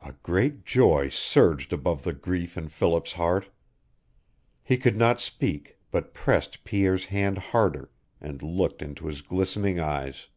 A great joy surged above the grief in Philip's heart. He could not speak, but pressed Pierre's hand harder, and looked into his glistening eyes.